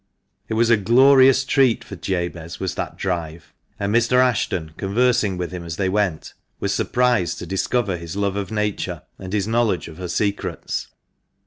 It was a glorious treat for Jabez, was that drive, and Mr. Ashton, conversing with him as they went, was surprised to discover his love of Nature, and his knowledge of her secrets.